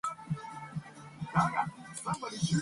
Mueller is of German, English and Scottish descent.